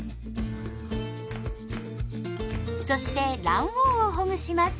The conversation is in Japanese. そして卵黄をほぐします。